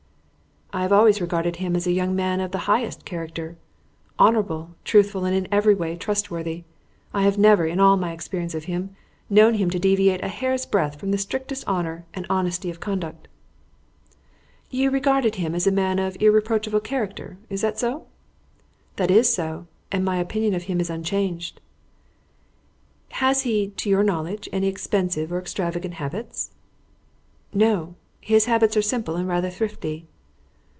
"I have always regarded him as a young man of the highest character honourable, truthful, and in every way trustworthy. I have never, in all my experience of him, known him to deviate a hair's breadth from the strictest honour and honesty of conduct." "You regarded him as a man of irreproachable character. Is that so?" "That is so; and my opinion of him is unchanged." "Has he, to your knowledge, any expensive or extravagant habits?" "No. His habits are simple and rather thrifty."